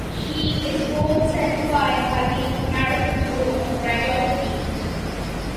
She is board certified by the American Board of Radiology.